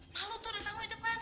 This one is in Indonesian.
malu tuh datang lu di depan